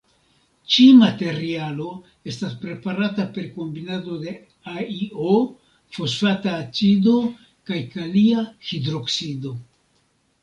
Ĉi-materialo estas preparata per kombinado de AlO, fosfata acido kaj kalia hidroksido.